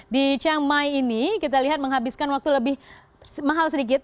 di chiang mai ini kita lihat menghabiskan waktu lebih mahal sedikit